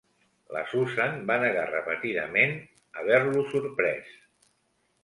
La Susan va negar repetidament haver-lo sorprès.